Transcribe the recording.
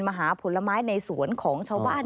หาผลไม้ในสวนของชาวบ้าน